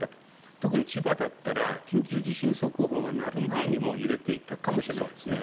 特に千葉だったら緊急地震速報が鳴る前にもう揺れていたかもしれないですね。